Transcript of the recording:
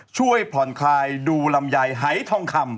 ช่วยผ่อนคลายดูลำไยหายทองคำ